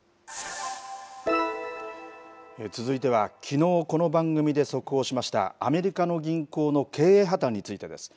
続いては、きのう、この番組で速報しました、アメリカの銀行の経営破綻についてです。